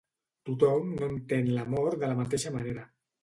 Tothom no entén la mort de la mateixa manera.